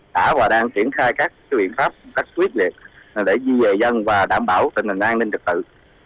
đã và đang triển khai các cái biện pháp đắc quyết liệt để di về dân và đảm bảo tình hình an ninh trực tự